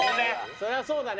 そりゃそうだね。